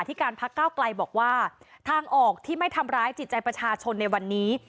ที่การพักเก้าไกลบอกว่าทางออกที่ไม่ทำร้ายจิตใจประชาชนในวันนี้